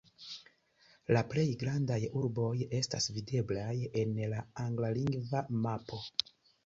La plej grandaj urboj estas videblaj en la anglalingva mapo.